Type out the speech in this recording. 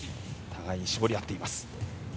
互いに絞り合っています。